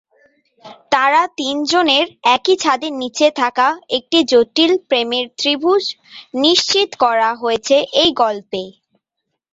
তারা তিন জনের একই ছাদের নিচে থাকা একটি জটিল প্রেমের ত্রিভুজ নিশ্চিত করা হয়েছে এই গল্পে।